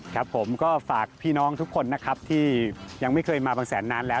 ครับผมก็ฝากพี่น้องทุกคนนะครับที่ยังไม่เคยมาบางแสนนานแล้ว